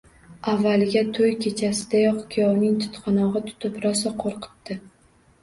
Avvaliga to'y kechasiyoq kuyovning tutqanog'i tutib, rosa qo'rqitdi